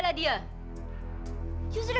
anda tidak perlu membela dia